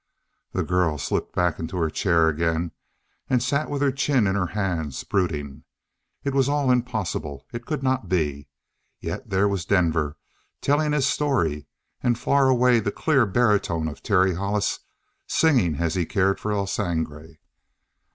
The girl slipped back into her chair again and sat with her chin in her hand, brooding. It was all impossible it could not be. Yet there was Denver telling his story, and far away the clear baritone of Terry Hollis singing as he cared for El Sangre.